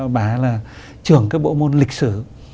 bà là trưởng cái bộ môn lịch sử